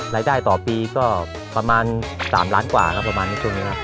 รายได้ต่อปีก็ประมาณ๓ล้านกว่าครับประมาณในช่วงนี้ครับ